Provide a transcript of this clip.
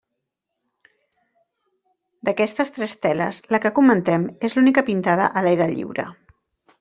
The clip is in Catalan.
D'aquestes tres teles, la que comentem és l'única pintada a l'aire lliure.